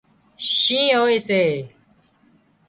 شِينهن هوئي سي